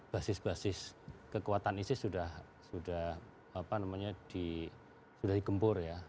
basis basis kekuatan isis sudah di gempur ya